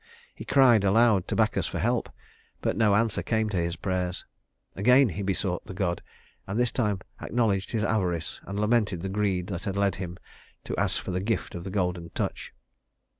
He cried aloud to Bacchus for help, but no answer came to his prayers. Again he besought the god, and this time acknowledged his avarice, and lamented the greed that had led him to ask for the gift of the golden touch.